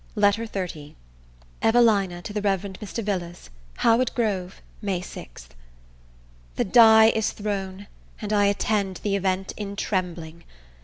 LETTER XXX EVELINA TO THE REV. MR. VILLARS Howard Grove, May 6. THE die is thrown, and I attend the event in trembling!